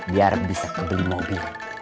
biar bisa peduli mobil